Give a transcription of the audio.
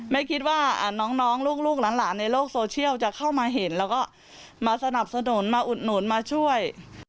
ไม่คิดว่าน้องลูกหลานในโลกโซเชียลจะเข้ามาเห็นแล้วก็มาสนับสนุนมาอุดหนุนมาช่วย